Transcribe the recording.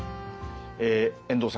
遠藤さん